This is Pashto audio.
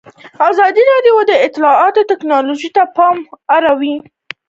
ازادي راډیو د اطلاعاتی تکنالوژي ته پام اړولی.